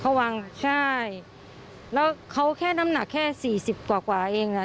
เขาวางใช่แล้วเขาแค่น้ำหนักแค่สี่สิบกว่ากว่าเองอ่ะ